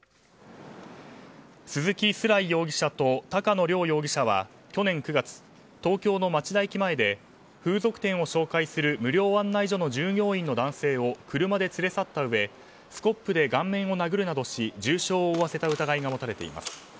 鈴木寿來容疑者と高野凌容疑者は去年９月東京の町田駅前で風俗店を紹介する無料案内所の従業員の男性を車で連れ去ったうえスコップで顔面を殴るなどし重傷を負わせた疑いが持たれています。